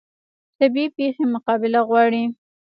طبیعي پیښې مقابله غواړي